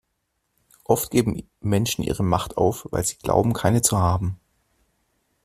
Oft geben Menschen ihre Macht auf, weil sie glauben, keine zu haben.